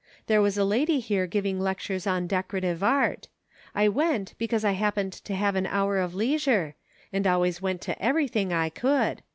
There was a lady here giving lectures on decorative art. I went because I happened to have an hour of leisure, and always went to everything I could.